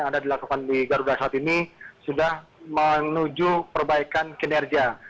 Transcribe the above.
yang dilakukan di garuda saat ini sudah menuju perbaikan kinerja